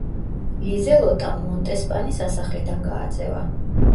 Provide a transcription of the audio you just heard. ლიზელოტამ მონტესპანი სასახლიდან გააძევა.